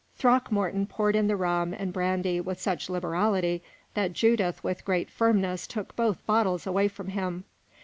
Throckmorton poured in the rum and brandy with such liberality that Judith with great firmness took both bottles away from him.